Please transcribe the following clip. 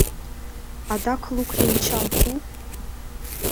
— Адак лу кленчам пу!